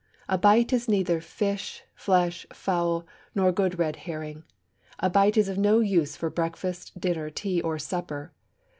A bite is neither fish, flesh, fowl, nor good red herring! A bite is of no use for breakfast, dinner, tea, or supper!